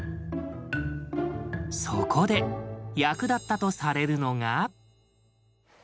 そこで役立ったとされるのが。